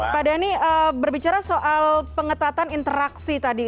pak denny berbicara soal pengetatan interaksi tadi